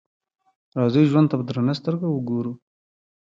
راځئ ژوند ته په درنه سترګه وګورو.